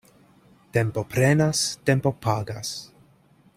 Tempo prenas, tempo pagas.